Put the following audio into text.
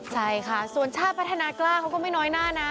ใช่ค่ะส่วนชาติพัฒนากล้าเขาก็ไม่น้อยหน้านะ